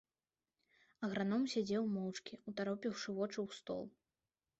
Аграном сядзеў моўчкі, утаропіўшы вочы ў стол.